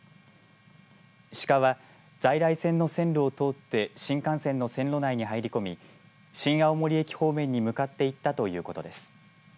シカは、在来線の線路をとおって新幹線の線路内に入り込み新青森駅方面に向かっていったということです。